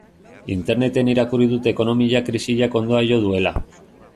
Interneten irakurri dut ekonomia krisiak hondoa jo duela.